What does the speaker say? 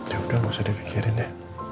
ya udah gak usah dipikirin ya